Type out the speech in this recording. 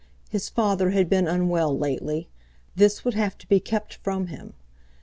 His father had been unwell lately. This would have to be kept from him!